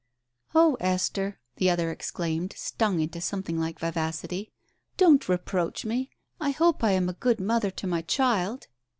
"Oh, Esther," the other exclaimed, stung into some thing like vivacity, "don't reproach me I I hope I am a good mother to my child